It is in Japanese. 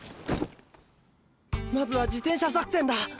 まずは自転車作戦だ。